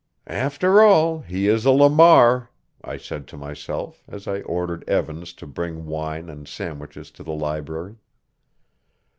"After all, he is a Lamar," I said to myself as I ordered Evans to bring wine and sandwiches to the library.